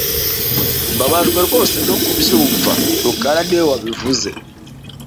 Mbabajwe rwose no kubyumva rukara niwe wabivuze